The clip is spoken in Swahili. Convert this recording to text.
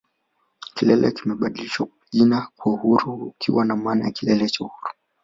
Kilele kilibadilishiwa jina kuwa Uhuru likiwa na maana ya Kilele cha Uhuru